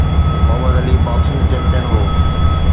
Muhammad Ali boxing champion هو.